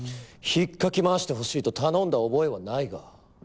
引っかき回してほしいと頼んだ覚えはないが。